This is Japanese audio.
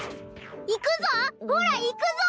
行くぞほら行くぞ！